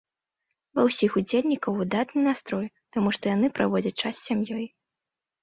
Ва ўсіх удзельнікаў выдатны настрой, таму што яны праводзяць час з сям'ёй.